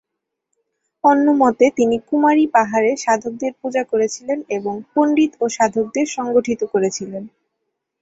অন্যমতে তিনি কুমারী পাহাড়ে সাধকদের পূজা করেছিলেন এবং পণ্ডিত ও সাধকদের সংগঠিত করেছিলেন।